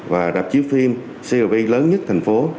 và đạp chiếu phim crv lớn nhất thành phố